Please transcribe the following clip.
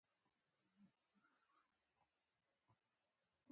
په اوس زمانه د هر سړي مورغودۍ زده دي.